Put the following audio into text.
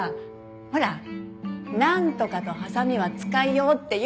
ほらなんとかとハサミは使いようって言うじゃない。